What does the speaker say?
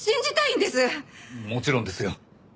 もちろんですよ。